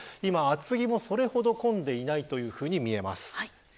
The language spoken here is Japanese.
厚木もそれほど混んでいないというふうに見えます。